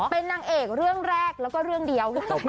เป็นนางเอกเรื่องแรกแล้วก็เรื่องเดียว